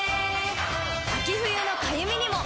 秋冬のかゆみにも。